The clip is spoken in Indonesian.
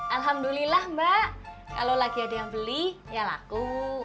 alhamdulillah mbak kalau lagi ada yang beli ya laku